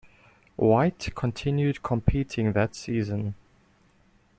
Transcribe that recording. White continued competing that season.